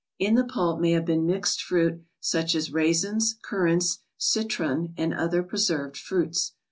In the pulp may have been mixed fruit, such as raisins, currants, citron, and other preserved fruits.